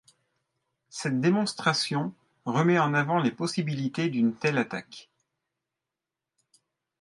Cette démonstration remet en avant les possibilités d'une telle attaque.